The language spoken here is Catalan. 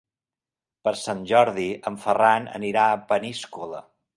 Per Sant Jordi en Ferran anirà a Peníscola.